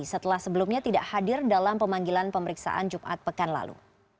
setelah sebelumnya tidak hadir dalam pemanggilan pemeriksaan jumat pekan lalu